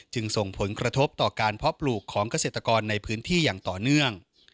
ส่งผลกระทบต่อการเพาะปลูกของเกษตรกรในพื้นที่อย่างต่อเนื่อง